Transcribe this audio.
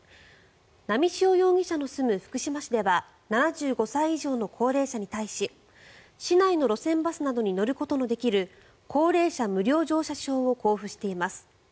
波汐容疑者の住む福島市では７５歳以上の高齢者に対し市内の路線バスなどに乗ることのできる高齢者無料乗車証を交付しています。